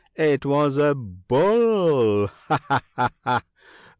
It was a bull, aha